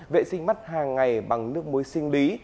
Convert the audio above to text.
vệ sinh mắt hàng ngày bằng nước muối sinh lý